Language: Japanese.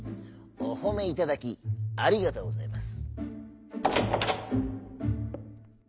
「おほめいただきありがとうございます」。